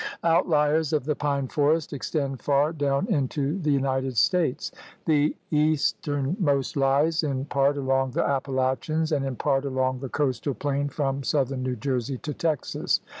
Outliers of the pine forest extend far down into the United States. The easternmost lies in part along the Appalachians and in part along the coastal plain from southern New Jersey to Texas.